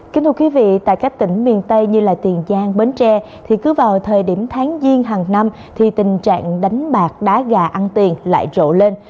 kính thưa quý vị tại các tỉnh miền tây như tiền giang bến tre thì cứ vào thời điểm tháng diên hàng năm thì tình trạng đánh bạc đá gà ăn tiền lại rộ lên